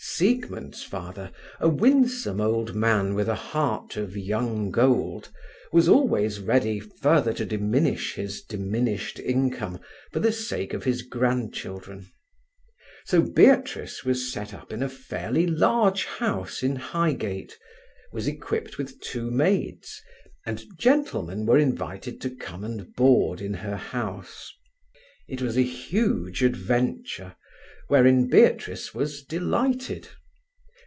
Siegmund's father, a winsome old man with a heart of young gold, was always ready further to diminish his diminished income for the sake of his grandchildren. So Beatrice was set up in a fairly large house in Highgate, was equipped with two maids, and gentlemen were invited to come and board in her house. It was a huge adventure, wherein Beatrice was delighted.